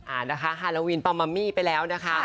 อ่านะคะฮาโลวีนปังมัมมี่ไปแล้วนะคะ